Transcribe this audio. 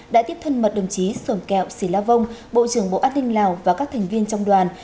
đã tiếp thân mật đồng chí sổm kẹo sĩ la vong bộ trưởng bộ an ninh lào và các thành viên trong đoàn